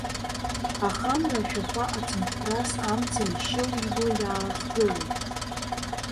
Аха амра ашәахәа ацымхәрас амца еишьыл ибла иаахгылеит.